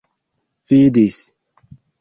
vidis